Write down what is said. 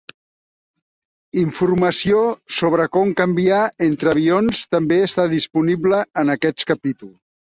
Informació sobre com canviar entre avions també està disponible en aquest capítol.